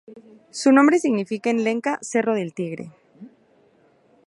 Su nombre significa en Lenca "Cerro del Tigre".